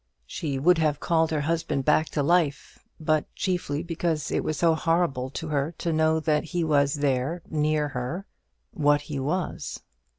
She would have called her husband back to life; but chiefly because it was so horrible to her to know that he was there near her what he was.